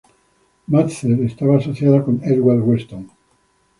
Mather estaba asociada con Edward Weston.